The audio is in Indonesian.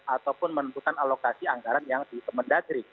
ataupun menentukan alokasi anggaran yang di kemendagri